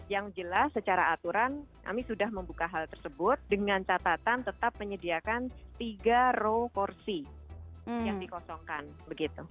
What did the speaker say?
yang jelas secara aturan kami sudah membuka hal tersebut dengan catatan tetap menyediakan tiga row kursi yang dikosongkan begitu